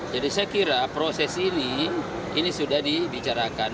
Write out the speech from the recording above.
jadi saya kira proses ini ini sudah dibicarakan